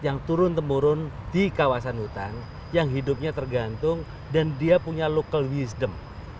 yang turun temurun di kawasan hutan yang hidupnya tergantung dan dia punya local wisdom